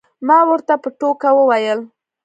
ما ورته په ټوکه وویل.